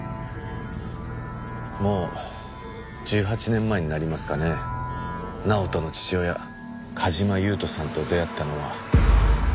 もう１８年前になりますかね直人の父親梶間優人さんと出会ったのは。